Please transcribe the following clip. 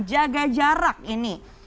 jaga jarak ini